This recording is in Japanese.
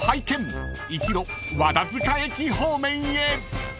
［一路和田塚駅方面へ］